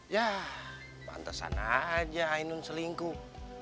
yah pantesan aja ainun selingkuh